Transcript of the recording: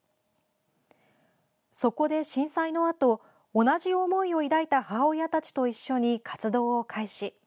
そこで震災のあと同じ思いを抱いた母親たちと一緒に活動を開始。